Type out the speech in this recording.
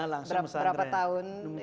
langsung pesan tren berapa tahun